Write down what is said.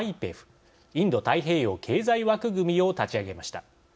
ＩＰＥＦ＝インド太平洋経済枠組みを立ち上げました。